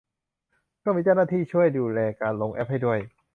ก็มีเจ้าหน้าที่ช่วยดูแลการลงแอปให้ด้วย